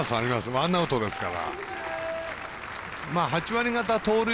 ワンアウトですから。